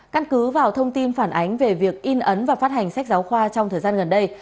căn cứ vào thông tin phản ánh về việc in ấn và phát hành sách giáo khoa trong thời gian gần đây